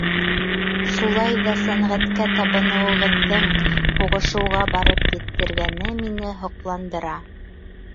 Шулай ҙа сәнғәткә табыныуығыҙҙың һуғышыуға барып еткергәне мине һоҡландыра.